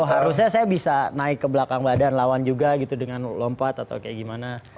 harusnya saya bisa naik ke belakang badan lawan juga gitu dengan lompat atau kayak gimana